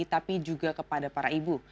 tapi juga kepada para ibu